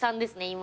今。